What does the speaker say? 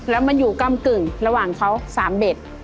แล้วมันอยู่กล้ามกึ่งระหว่างเค้าสามเบท